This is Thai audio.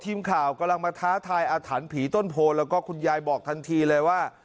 ทีมข่าวกำลังมาท้าทายอาถรรพ์ผีต้นโพแล้วก็คุณยายบอกทันทีเลยว่า